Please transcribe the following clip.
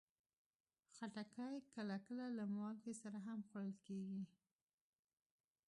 خټکی کله کله له مالګې سره هم خوړل کېږي.